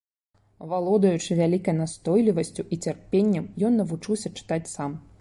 Валодаючы вялікай настойлівасцю і цярпеннем, ён навучыўся чытаць сам.